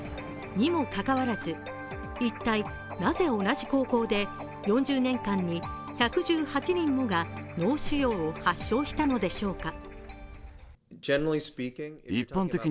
にもかかわらず一体なぜ同じ高校で４０年間に１１８人もが脳腫瘍を発症したのでしょうか？